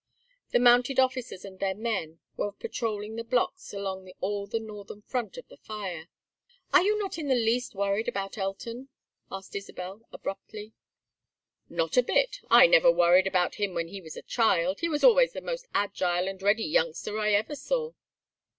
The mounted officers and their men were patrolling the blocks along all the northern front of the fire. "Are you not in the least worried about Elton?" asked Isabel, abruptly. "Not a bit. I never worried about him when he was a child. He was always the most agile and ready youngster I ever saw."